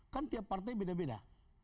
kan tiap partai beda beda